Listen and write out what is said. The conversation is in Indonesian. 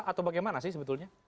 atau bagaimana sih sebetulnya